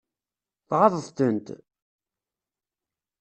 Tɣaḍeḍ-tent?